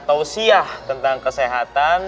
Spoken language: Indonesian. tau siah tentang kesehatan